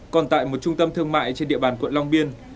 còn tại một trung tâm thương mại trên địa bàn quận long biên